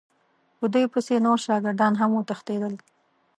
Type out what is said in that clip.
په دوی پسې نور شاګردان هم وتښتېدل.